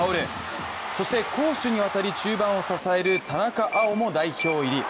そして攻守にわたり中盤を支える田中碧も代表入り。